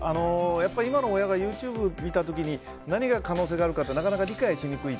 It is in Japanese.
やっぱり今の親がＹｏｕＴｕｂｅ見た時に何が可能性があるかってなかなか理解しにくい。